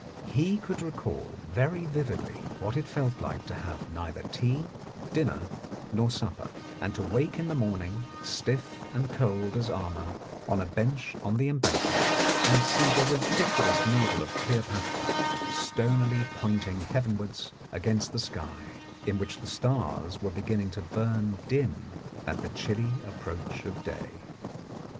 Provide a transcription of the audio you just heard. He could recall very vividly what it felt like to have neither tea, dinner nor supper, and to wake in the morning, stiff and cold as armour, on a bench on the Embankment and see the ridiculous needle of Cleopatra stonily pointing heavenwards against the sky, in which the stars were beginning to burn dim at the chilly approach of day.